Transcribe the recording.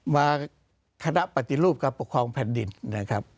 มาคณะปฏิรูปการปกครองแผ่นดินนะครับ